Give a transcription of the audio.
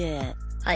はい。